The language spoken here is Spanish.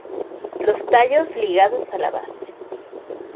Los tallos ligados a la base.